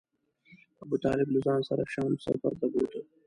ابو طالب له ځان سره شام سفر ته بوته.